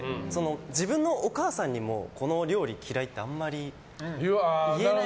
自分のお母さんにもこの料理嫌いってあんまり言えない。